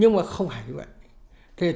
nhưng mà không phải như vậy